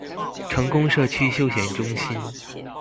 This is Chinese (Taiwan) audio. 成功社區休閒中心